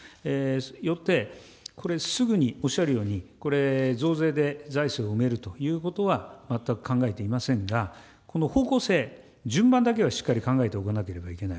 よって、これ、すぐに、おっしゃるように、これ、増税で財政を埋めるということは、全く考えていませんが、この方向性、順番だけはしっかり考えておかなければいけない。